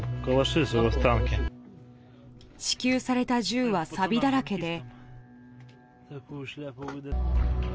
支給された銃はさびだらけで。